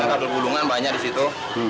kabel gulungan banyak di situ